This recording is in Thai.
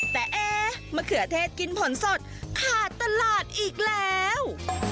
แต่เอ๊มะเขือเทศกินผลสดขาดตลาดอีกแล้ว